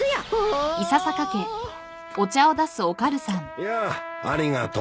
いやありがとう。